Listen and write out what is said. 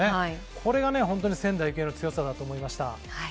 これが仙台育英の強さだと思いました。